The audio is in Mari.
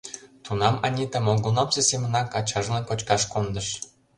Тунам Анита молгунамсе семынак ачажлан кочкаш кондыш.